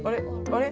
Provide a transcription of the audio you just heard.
あれ？